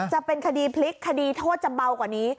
จะเป็นคดีพลิกคดีโทษจะเบากว่านี้